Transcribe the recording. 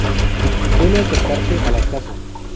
Suele acercarse a las casas.